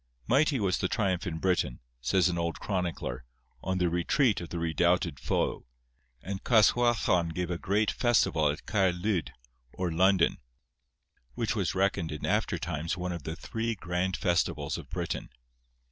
Mighty was the triumph in Britain, says an old chronicler, on the retreat of the redoubted foe; and Caswallon gave a grand festival at Caer Lud, or London, which was reckoned in after times one of the three grand festivals of Britain.